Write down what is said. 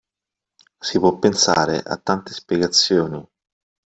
Si può pensare a tante spiegazioni!